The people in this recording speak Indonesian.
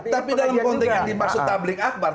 tapi dalam konteks yang dimaksud tablik akbar